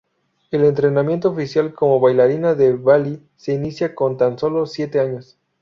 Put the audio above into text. El entrenamiento oficial como bailarina de Bali se inicia con tan solo siete años.